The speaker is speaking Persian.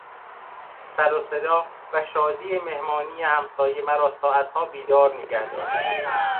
سروصدا و شادی مهمانی همسایه مرا ساعتها بیدار نگهداشت.